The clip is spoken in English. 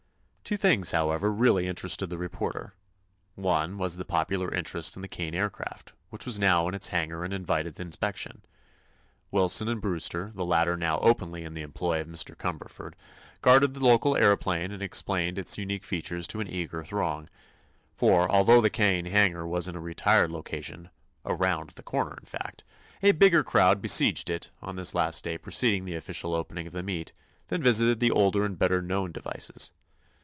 Two things, however, really interested the reporter. One was the popular interest in the Kane Aircraft, which was now in its hangar and invited inspection. Wilson and Brewster, the latter now openly in the employ of Mr. Cumberford, guarded the local aëroplane and explained its unique features to an eager throng. For, although the Kane hangar was in a retired location—"around the corner," in fact—a bigger crowd besieged it, on this last day preceding the official opening of the meet, than visited the older and better known devices.